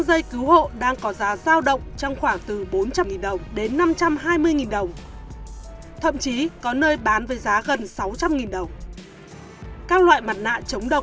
xin chào và hẹn gặp lại trong các video tiếp theo